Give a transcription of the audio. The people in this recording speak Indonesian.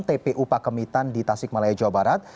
tpu pak kemitan di tasik malaya jawa barat